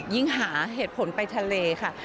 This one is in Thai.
หาเหตุผลไปทะเลค่ะ